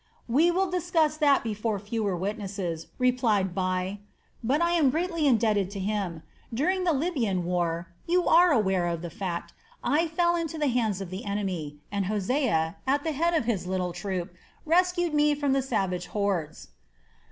"We will discuss that before fewer witnesses," replied Bai. "But I am greatly indebted to him. During the Libyan war you are aware of the fact I fell into the hands of the enemy, and Hosea, at the head of his little troop, rescued me from the savage hordes."